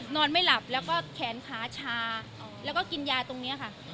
นอนไม่หลับแล้วก็แขนขาชาแล้วก็กินยาตรงนี้ค่ะ